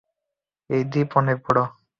এই দ্বীপ টা অনেক বড়।